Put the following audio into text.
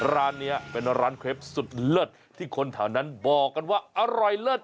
ร้านนี้เป็นร้านเคล็ปสุดเลิศที่คนแถวนั้นบอกกันว่าอร่อยเลิศ